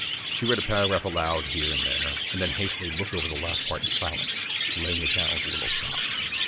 She read a paragraph aloud here and there, then hastily looked over the last part in silence, laying it down with a little sigh.